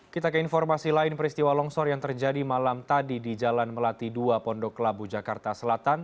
kita ke informasi lain peristiwa longsor yang terjadi malam tadi di jalan melati dua pondok labu jakarta selatan